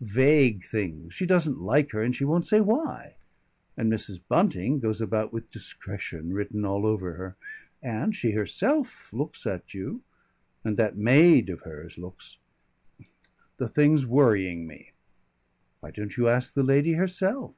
"Vague things. She doesn't like her and she won't say why. And Mrs. Bunting goes about with discretion written all over her. And she herself looks at you And that maid of hers looks The thing's worrying me." "Why don't you ask the lady herself?"